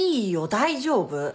大丈夫。